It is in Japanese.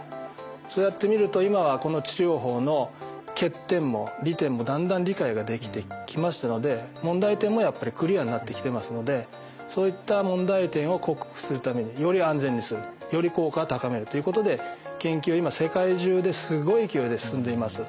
そうやってみると今はこの治療法の欠点も利点もだんだん理解ができてきましたので問題点もやっぱりクリアになってきてますのでそういった問題点を克服するためにより安全にするより効果を高めるということで研究が今世界中ですごい勢いで進んでいます。